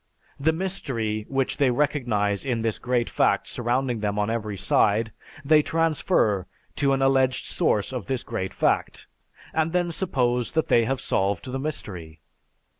The mystery which they recognize in this great fact surrounding them on every side, they transfer to an alleged source of this great fact, and then suppose that they have solved the mystery.